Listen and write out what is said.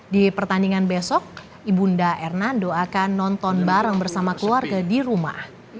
di pertandingan besok ibu nda hernando akan nonton bareng bersama keluarga di rumah